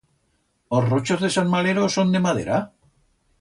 Os rochos de sant Valero, son de madera?